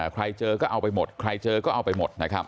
ใครเจอก็เอาไปหมด